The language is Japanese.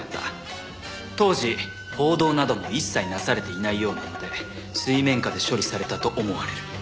当時報道なども一切なされていないようなので水面下で処理されたと思われる。